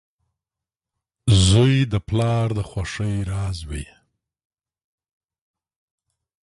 • زوی د پلار د خوښۍ راز وي.